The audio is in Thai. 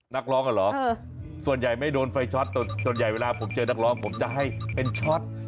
นักร้องอ่ะเหรอส่วนใหญ่ไม่โดนไฟช็อตส่วนใหญ่เวลาผมเจอนักร้องผมจะให้เป็นช็อต